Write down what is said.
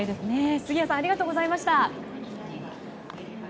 杉谷さんありがとうございました。